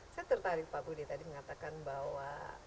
saya tertarik pak budi tadi mengatakan bahwa